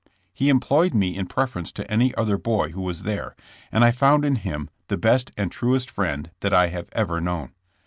He employed me in preference to any other boy who was there, and I found in him the best and truest friend that I have ever known.